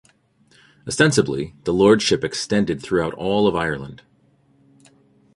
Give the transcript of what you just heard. Ostensibly, the lordship extended throughout all of Ireland.